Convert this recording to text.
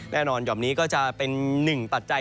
แน่นอนหย่อมนี้ก็จะเป็นหนึ่งตัดใจ